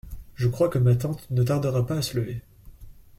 Je crois que ma tante ne tardera pas à se lever.